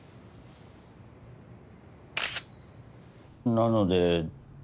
なので。